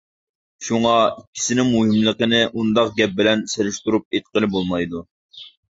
شۇڭا، ئىككىسىنىڭ مۇھىملىقىنى ئۇنداق گەپ بىلەن سېلىشتۇرۇپ ئېيتقىلى بولمايدۇ.